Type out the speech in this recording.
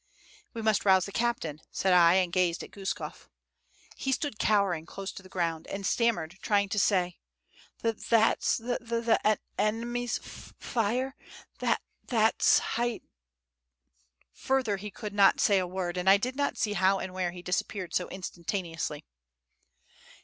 "We must rouse the captain," said I, and gazed at Guskof. He stood cowering close to the ground, and stammered, trying to say, "Th that's th the ene my's ... f f fire th that's hidi ." Further he could not say a word, and I did not see how and where he disappeared so instantaneously.